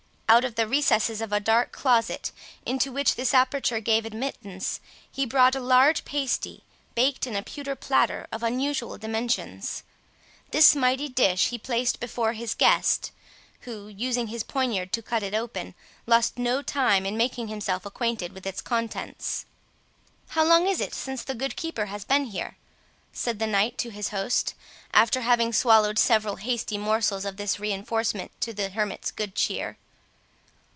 Out of the recesses of a dark closet, into which this aperture gave admittance, he brought a large pasty, baked in a pewter platter of unusual dimensions. This mighty dish he placed before his guest, who, using his poniard to cut it open, lost no time in making himself acquainted with its contents. "How long is it since the good keeper has been here?" said the knight to his host, after having swallowed several hasty morsels of this reinforcement to the hermit's good cheer.